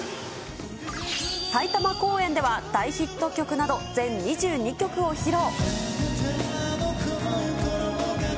埼玉公演では大ヒット曲など全２２曲を披露。